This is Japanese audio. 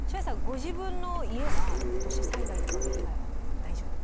ご自分の家は土砂災害とかの被害は大丈夫？